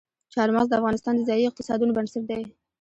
چار مغز د افغانستان د ځایي اقتصادونو بنسټ دی.